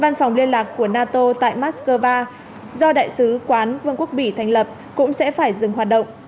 văn phòng liên lạc của nato tại moscow do đại sứ quán vương quốc bỉ thành lập cũng sẽ phải dừng hoạt động